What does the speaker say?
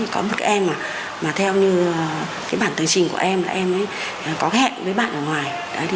có một em mà theo như bản tương trình của em em có hẹn với bạn ở ngoài